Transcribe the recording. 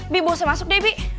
bi bawa saya masuk deh bi